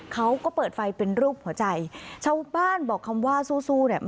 เขาก็เปิดไฟเป็นรูปหัวใจชาวบ้านบอกคำว่าสู้สู้เนี่ย